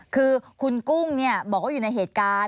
คือคุณกุ้งบอกว่าอยู่ในเหตุการณ์